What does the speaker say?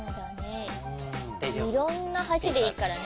いろんなはしでいいからね。